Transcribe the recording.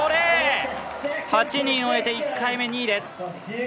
８人終わって１回目２位です。